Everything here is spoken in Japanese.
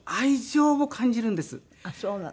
ああそうなの？